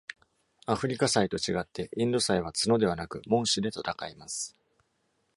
アフリカ犀と違って、インド犀は角ではなく門歯で戦います。